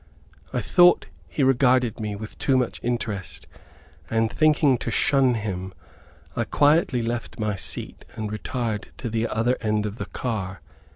I thought he regarded me with too much interest, and thinking to shun him, I quietly left my seat and retired to the other end of the car.